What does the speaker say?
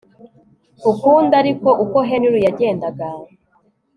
ukundi ariko uko Henry yagendaga